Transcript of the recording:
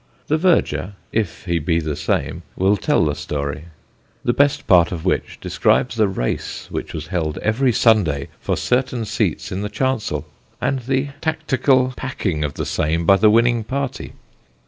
The verger (if he be the same) will tell the story, the best part of which describes the race which was held every Sunday for certain seats in the chancel, and the tactical "packing" of the same by the winning party.